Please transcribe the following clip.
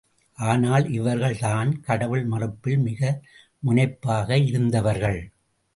ஆனால் இவர்கள் தான் கடவுள் மறுப்பில் மிக முனைப்பாக இருந்தவர்கள்.